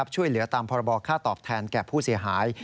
ช่วยเหลือตามพรบค่าตอบแทนแก่ผู้เสียหาย